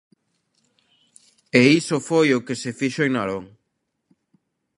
E iso foi o que se fixo en Narón.